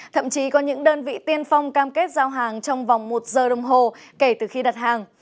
thậm chí có những đơn vị tiên phong cam kết giao hàng trong vòng một giờ đồng hồ kể từ khi đặt hàng